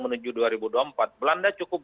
menuju dua ribu dua puluh empat belanda cukup